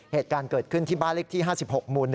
เหตุการณ์เกิดขึ้นที่บ้านเลขที่๕๖หมู่๑